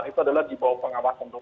itu adalah dibawah pengawasan untuk